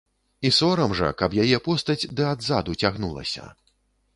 І сорам жа, каб яе постаць ды адзаду цягнулася.